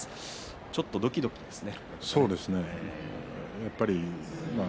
ちょっとどきどきですね。